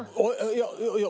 いやいや